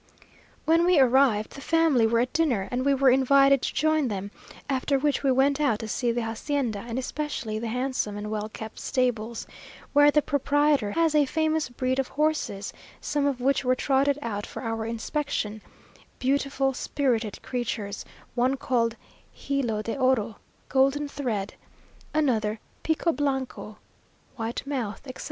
When we arrived the family were at dinner, and we were invited to join them, after which we went out to see the hacienda, and especially the handsome and well kept stables, where the proprietor has a famous breed of horses, some of which were trotted out for our inspection beautiful, spirited creatures one called "Hilo de Oro" (golden thread) another, "Pico Blanco" (white mouth), etc.